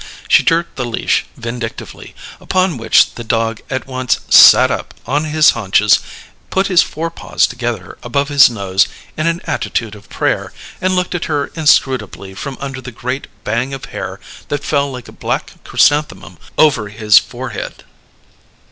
She jerked the leash vindictively, upon which the dog at once "sat up" on his haunches, put his forepaws together above his nose, in an attitude of prayer, and looked at her inscrutably from under the great bang of hair that fell like a black chrysanthemum over his forehead.